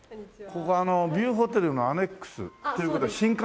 ここはビューホテルのアネックスっていう事は新館？